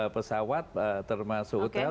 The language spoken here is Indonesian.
pesawat termasuk hotel